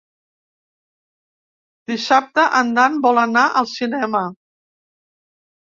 Dissabte en Dan vol anar al cinema.